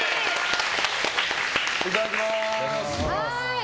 いただきます。